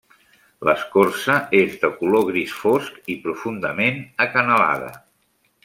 L'escorça és de color gris fosc i profundament acanalada.